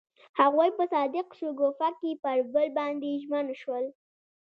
هغوی په صادق شګوفه کې پر بل باندې ژمن شول.